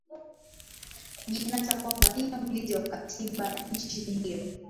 kujinata kwamba ndio mlinzi wa katiba ya nchi hiyo